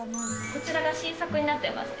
こちらが新作になってますね